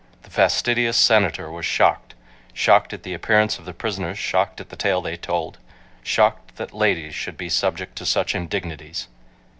The fastidious Senator was shocked—shocked at the appearance of the prisoners, shocked at the tale they told, shocked that "ladies" should be subjected to such indignities.